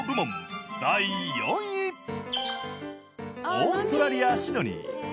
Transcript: オーストラリアシドニー。